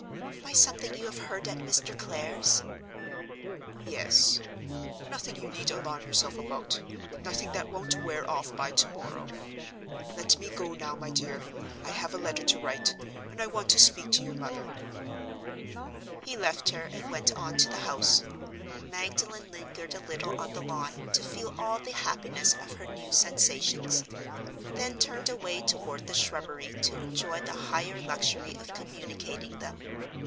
"By something you have heard at Mr. Clare's?" "Yes—nothing you need alarm yourself about; nothing that won't wear off by to morrow. Let me go now, my dear; I have a letter to write; and I want to speak to your mother." He left her and went on to the house. Magdalen lingered a little on the lawn, to feel all the happiness of her new sensations—then turned away toward the shrubbery to enjoy the higher luxury of communicating them.